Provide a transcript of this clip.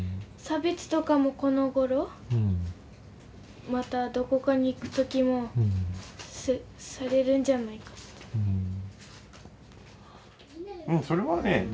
差別とかもこのごろまたどこかに行く時もされるんじゃないかって。